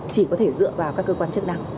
chỉ có thể dựa vào các cơ quan chức năng